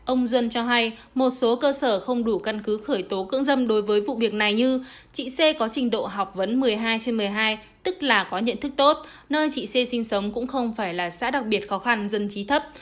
ông duân cho hay một số cơ sở không đủ căn cứ khởi tố cưỡng dâm đối với vụ việc này như chị xê có trình độ học vấn một mươi hai trên một mươi hai tức là có nhận thức tốt nơi chị xê sinh sống cũng không phải là xã đặc biệt khó khăn dân trí thấp